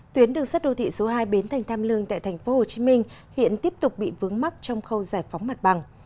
tuyến đường sắt đô thị số hai bến thành tham lương tại tp hcm hiện tiếp tục bị vướng mắt trong khâu giải phóng mặt bằng